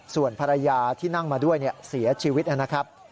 ส่วนภรรยาที่นั่งมาด้วยเสียชีวิตนะครับ